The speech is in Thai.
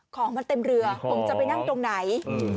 ของมันเต็มเรือผมจะไปนั่งตรงไหน